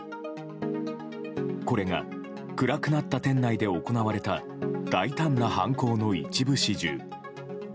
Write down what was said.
これが暗くなった店内で行われた大胆な犯行の一部始終。